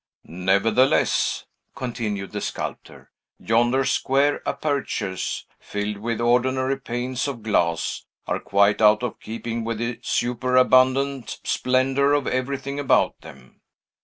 "Nevertheless," continued the sculptor, "yonder square apertures, filled with ordinary panes of glass, are quite out of keeping with the superabundant splendor of everything about them.